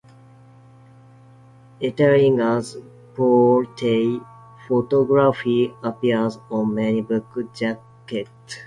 Ettlinger's portrait photography appears on many book jackets.